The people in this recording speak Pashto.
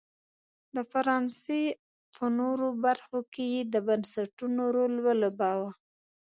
د فرانسې په نورو برخو کې یې د بنسټونو رول ولوباوه.